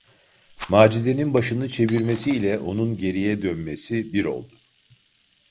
Macide’nin başını çevirmesiyle onun geriye dönmesi bir oldu…